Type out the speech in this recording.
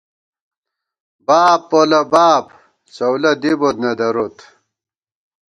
باب پولہ باب څؤلہ دِبوت ، نہ دروت